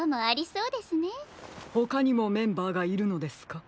ほかにもメンバーがいるのですか？